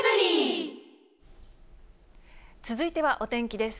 続いてはお天気です。